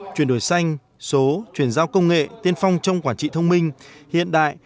chuyển đổi xanh số chuyển giao công nghệ tiên phong trong quản trị thông minh hiện đại